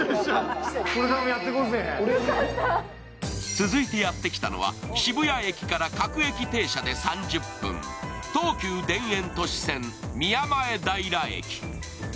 続いてやってきたのは、渋谷駅から各駅停車で３０分、東急田園都市線・宮前平駅。